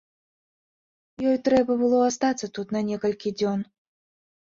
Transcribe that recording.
Ёй трэба было астацца тут на некалькі дзён.